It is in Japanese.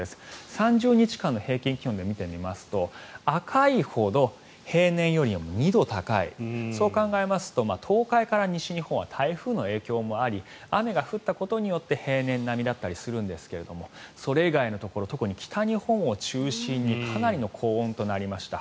３０日間の平均気温で見てみますと赤いほど平年よりも２度高いそう考えますと東海から西日本は台風の影響もあり雨が降ったこともあり平年並みだったりするんですがそのほかのところも北日本を中心にかなりの高温となりました。